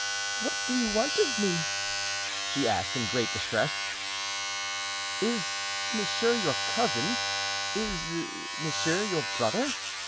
What do you want of me?" she asked, in great distress. "Is monsieur your cousin? Is monsieur your brother?"